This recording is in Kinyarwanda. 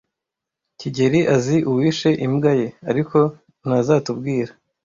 kigeli azi uwishe imbwa ye, ariko ntazatubwira.